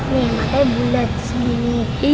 nih matanya bulat segini